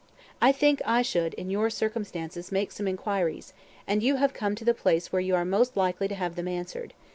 I think I should in your circumstances make some inquiries; and you have come to the place where you are most likely to have them answered.